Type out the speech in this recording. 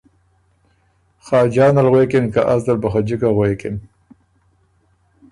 خاجان ال غوېکِن که از دل بُو خه جِکه غوېکِن